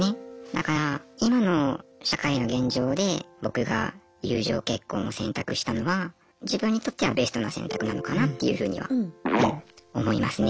だから今の社会の現状で僕が友情結婚を選択したのは自分にとってはベストな選択なのかなっていうふうには思いますね。